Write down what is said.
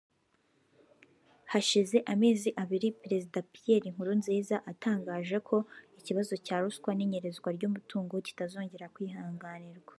Hashize amezi abiri Perezida Pierre Nkurunziza atangaje ko ikibazo cya ruswa n’inyerezwa ry’umutungo kitazongera kwihanganirwa